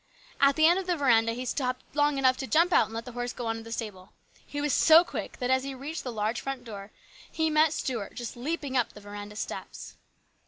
At the end of the veranda he stopped long enough to jump out and let the horse go on to the stable. He was so quick that, as he reached the large front door, he met Stuart just leaping up the veranda steps.